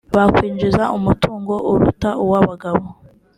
bakwinjiza umutungo uruta uw’abagabo